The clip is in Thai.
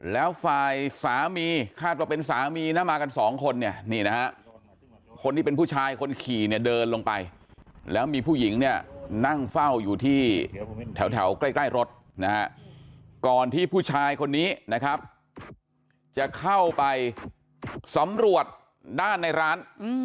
แล้วฝ่ายสามีคาดว่าเป็นสามีนะมากันสองคนเนี่ยนี่นะฮะคนที่เป็นผู้ชายคนขี่เนี่ยเดินลงไปแล้วมีผู้หญิงเนี่ยนั่งเฝ้าอยู่ที่แถวใกล้รถนะฮะก่อนที่ผู้ชายคนนี้นะครับจะเข้าไปสำรวจด้านในร้าน